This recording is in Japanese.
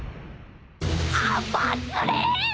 あばずれ！？